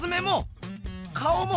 顔も？